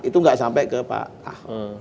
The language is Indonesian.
itu nggak sampai ke pak ahok